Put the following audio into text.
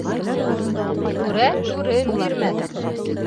Түрә түрен бирмәҫ.